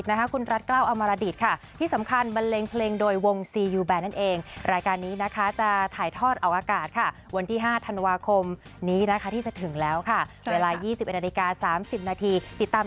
ติดตามได้ทางหน้าจอไทยรัฐทีวีช่อง๓๒ค่ะ